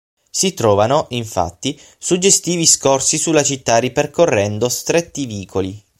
Si trovano, infatti, suggestivi scorsi sulla città ripercorrendo stretti vicoli.